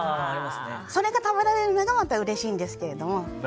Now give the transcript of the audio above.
それが食べられるのがまた、うれしいんですけども。